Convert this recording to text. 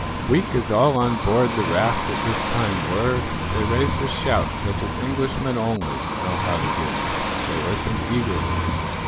Weak as all on board the raft at this time were, they raised a shout such as Englishmen only know how to give. They listened eagerly.